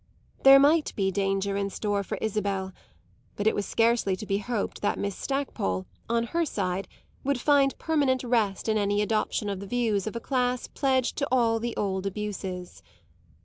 There might be danger in store for Isabel; but it was scarcely to be hoped that Miss Stackpole, on her side, would find permanent rest in any adoption of the views of a class pledged to all the old abuses.